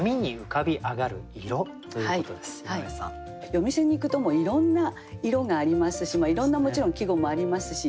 夜店に行くといろんな色がありますしいろんなもちろん季語もありますし。